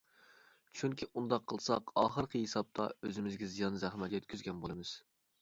چۈنكى ئۇنداق قىلساق ئاخىرقى ھېسابتا ئۆزىمىزگە زىيان-زەخمەت يەتكۈزگەن بولىمىز.